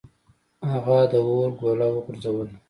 هغه د اور ګوله وغورځوله.